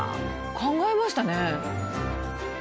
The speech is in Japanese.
考えましたね。